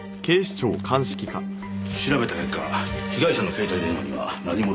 調べた結果被害者の携帯電話には何も録音されてませんでした。